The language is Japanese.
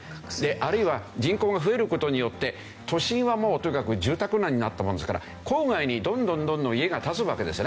あるいは人口が増える事によって都心はもうとにかく住宅難になったものですから郊外にどんどんどんどん家が建つわけですよね。